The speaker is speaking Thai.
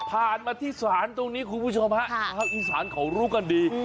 ผ่านมาที่สารตรงนี้คุณผู้ชมฮะที่สารของรู้กันดี